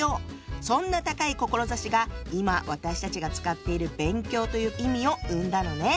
そんな高い志が今私たちが使っている「勉強」という意味を生んだのね。